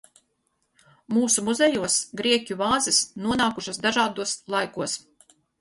Mūsu muzejos grieķu vāzes nonākušas dažādos laikos.